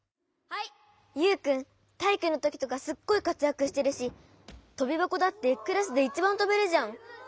ユウくんたいいくのときとかすっごいかつやくしてるしとびばこだってクラスでいちばんとべるじゃん。